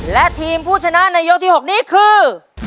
และทีมผู้ชนะในยกที่๖นี้คือ